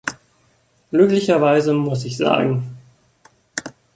Glücklicherweise, muss ich sagen!